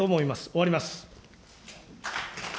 終わります。